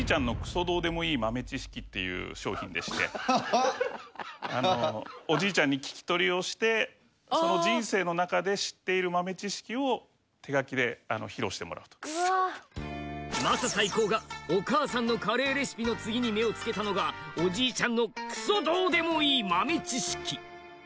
怖いっていう商品でしておじいちゃんに聞き取りをしてその人生の中で知っている豆知識を手書きで披露してもらうとマサ最高がお母さんのカレーレシピの次に目を付けたのがおじいちゃんのクソどうでもいい豆知識